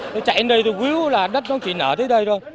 tôi chạy đến đây tôi víu là đất nó chỉ nở tới đây thôi